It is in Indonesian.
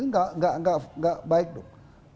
itu tidak baik dong